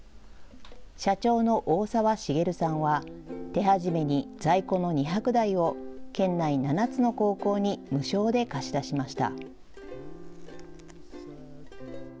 社長の大澤茂さんは、手始めに在庫の２００台を県内７つの高校に無償で貸し出しました。